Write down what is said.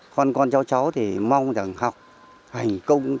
con con cháu cháu thì mong rằng học hành công